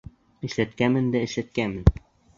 Эшләткәнмен дә эшләткәнмен.